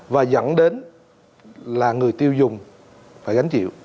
và dẫn đến là người tiêu dùng phải gánh chịu